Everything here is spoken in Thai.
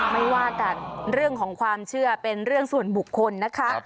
ไม่ว่าแต่เรื่องของความเชื่อเป็นเรื่องส่วนบุคคลนะคะ